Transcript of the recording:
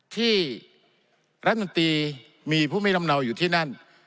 ที่รัฐมนตรีมีผู้ไม่ลำเนาอยู่ที่นั่น